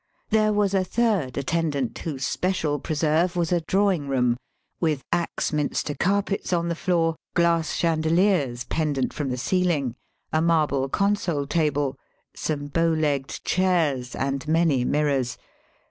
There was a third attendant whose special preserve was a drawing room, vnth Axminster carpets on the floor, glass chandeliers pendant from the ceiling, a marble consol table, some bow legged chairs, and many mirrors.